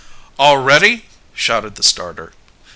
"All ready?" shouted the starter.